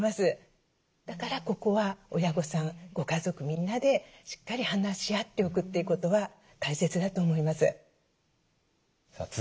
だからここは親御さんご家族みんなでしっかり話し合っておくってことは大切だと思います。